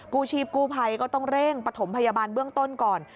กู้ชีพกู้ภัยก็ต้องเร่งปฐมพยาบาลเบื้องต้นก่อน